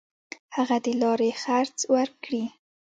هغه د لارې خرڅ ورکړي.